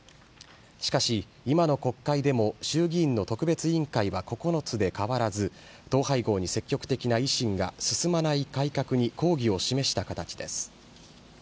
しかし、今の国会でも衆議院の特別委員会は９つで変わらず、統廃合に積極的な維新が、進まない改革に抗議を示した形です。